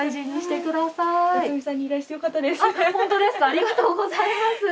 ありがとうございます。